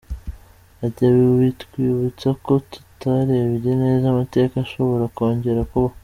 Ati “Bitwibutsa ko tutarebye neza amateka ashobora kongera kuba.